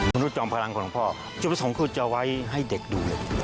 นวุฒิจองพลังของลุงพ่อจริงของเขาจะเอาไว้ให้เด็กดูเล็ก